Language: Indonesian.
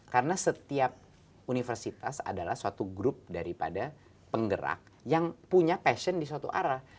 karena setiap universitas adalah suatu grup daripada penggerak yang punya passion di suatu arah